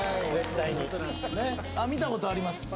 見たことあります